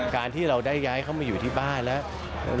การที่เราได้ย้ายเข้ามาอยู่ที่บ้านแล้ว